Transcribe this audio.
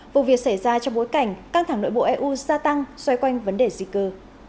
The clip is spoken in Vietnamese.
vụ việc xảy ra trong bối cảnh căng thẳng nội bộ eu gia tăng xoay quanh vấn đề di cư